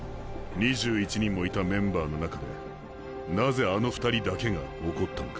２１人もいたメンバーの中でなぜあの２人だけが怒ったのか？